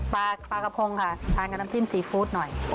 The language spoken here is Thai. ปลากระพงค่ะทานกับน้ำจิ้มซีฟู้ดหน่อย